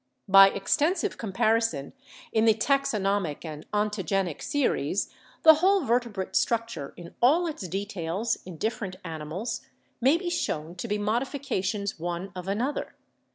By extensive comparison in the taxonomic and ontogenic series, the whole vertebrate structure in all its details in different animals may be shown to be modifi cations one of another.